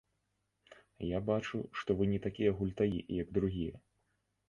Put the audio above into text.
Я бачу, што вы не такія гультаі, як другія.